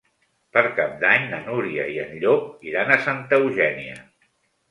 Per Cap d'Any na Núria i en Llop iran a Santa Eugènia.